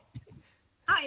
はい。